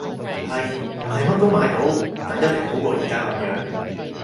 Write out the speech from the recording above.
係！唔係乜都買到，但一定好過而家噉樣